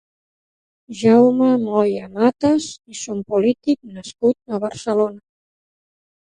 Jaume Moya Matas és un polític nascut a Barcelona.